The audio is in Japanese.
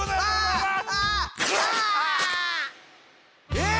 えっ！？